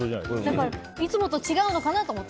だからいつもと違うのかなと思った。